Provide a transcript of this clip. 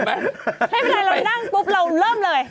ไม่เป็นไรเรานั่งปุ๊บเราเริ่มเลย